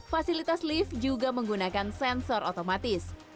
fasilitas lift juga menggunakan sensor otomatis